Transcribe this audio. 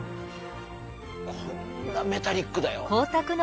こんなメタリックだよ。